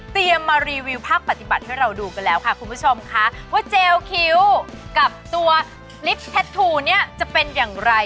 มารีวิวภาคปฏิบัติให้เราดูกันแล้วค่ะคุณผู้ชมค่ะว่าเจลคิ้วกับตัวลิฟต์แท็ตทูเนี่ยจะเป็นอย่างไร